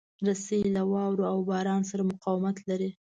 رسۍ له واوره او باران سره مقاومت لري.